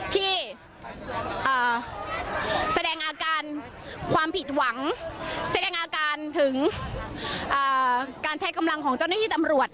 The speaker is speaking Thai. ที่แสดงอาการความผิดหวังแสดงอาการถึงการใช้กำลังของเจ้าหน้าที่ตำรวจ